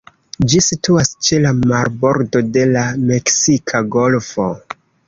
Ĝi situas ĉe la marbordo de la Meksika Golfo.